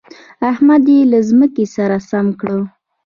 احمد يې له ځمکې سره سم کړ.